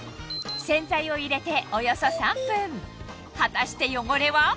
洗剤を入れておよそ３分果たして汚れは？